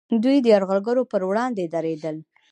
دوی د یرغلګرو پر وړاندې دریدل